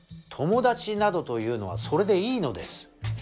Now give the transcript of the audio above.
友達などというのはそれでいいのです。